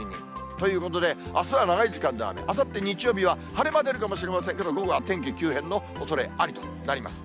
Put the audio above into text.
ということで、あすは長い時間で雨、あさって日曜日は晴れ間出るかもしれませんけど、午後は天気急変のおそれありとなります。